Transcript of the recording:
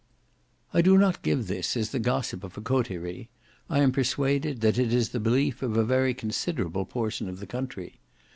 I do not give this as the gossip of a coterie; I am persuaded that it is the belief of a very considerable portion of the country.